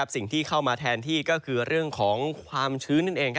สิ่งที่เข้ามาแทนที่ก็คือเรื่องของความชื้นนั่นเอง